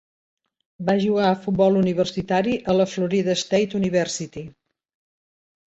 Va jugar a futbol universitari a la Florida State University.